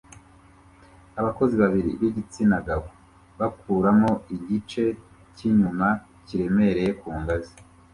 Abakozi babiri b'igitsina gabo bakuramo igice cy'icyuma kiremereye ku ngazi